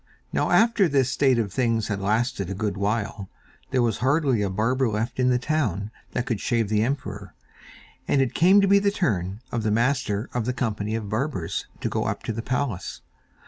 Now after this state of things had lasted a good while, there was hardly a barber left in the town that could shave the emperor, and it came to be the turn of the Master of the Company of Barbers to go up to the palace.